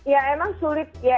ya emang sulit ya